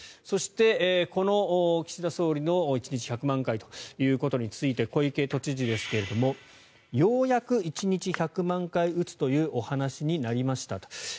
そして、この岸田総理の１日１００万回ということについて小池都知事ですが、ようやく１日１００万回打つというお話になりましたと。